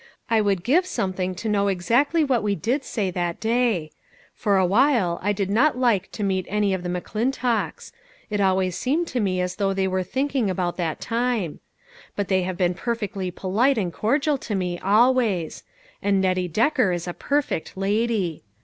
"I would give something to know exactly what we did say that day. For awhile I did not like to meet any of the McClintocks ; it always seemed to me as though they were thinking about that time. But they have been perfectly polite and cordial to me, always ; and Nettie Decker is a perfect lady.